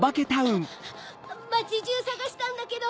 まちじゅうさがしたんだけど。